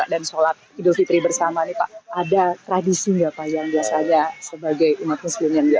dan sholat idul fitri bersama nih pak ada tradisi enggak pak yang biasanya sebagai umat muslim yang